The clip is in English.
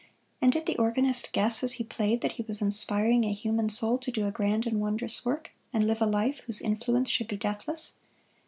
And did the organist guess as he played that he was inspiring a human soul to do a grand and wondrous work, and live a life whose influence should be deathless?